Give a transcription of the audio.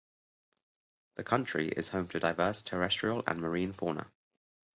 The country is home to diverse terrestrial and marine fauna.